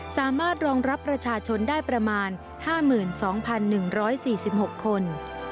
สามารถรองรับประชาชนได้ประมาณ๕๒๑๔๖คน